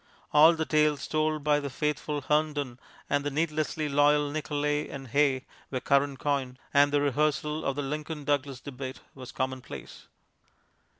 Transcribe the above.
All the tales told by the faithful Herndon and the needlessly loyal Nicolay and Hay were current coin, and the rehearsal of the Lincoln Douglas debate was commonplace.